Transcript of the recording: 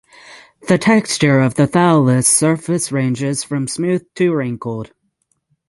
The texture of the thallus surface ranges from smooth to wrinkled.